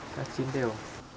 dạ sẽ chín đều